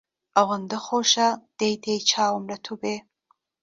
ئەوەندە خۆشە دەی دەی چاوم لە تۆ بێ